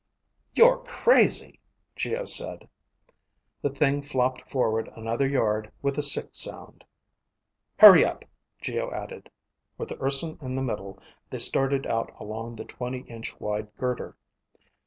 "You're crazy," Geo said. The thing flopped forward another yard with a sick sound. "Hurry up," Geo added. With Urson in the middle, they started out along the twenty inch wide girder.